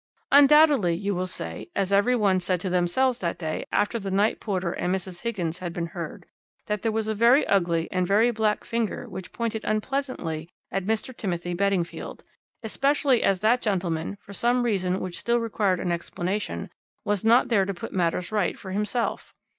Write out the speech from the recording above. "Undoubtedly you will say, as every one said to themselves that day after the night porter and Mrs. Higgins had been heard, that there was a very ugly and very black finger which pointed unpleasantly at Mr. Timothy Beddingfield, especially as that gentleman, for some reason which still required an explanation, was not there to put matters right for himself.